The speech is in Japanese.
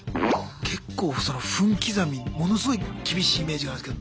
結構その分刻みものすごい厳しいイメージがあるんですけど。